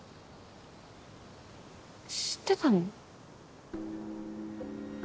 知ってたの？